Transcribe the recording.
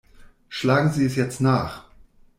Schlagen Sie es jetzt nach!